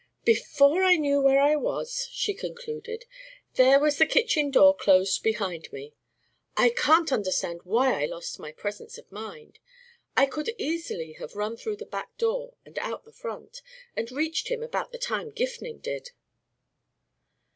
"Before I knew where I was," she concluded, "there was the kitchen door closed behind me. I can't understand why I lost my presence of mind. I could easily have run through the back door and out the front, and reached him about the time Gifning did."